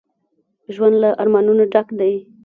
ژوند له ارمانونو ډک دی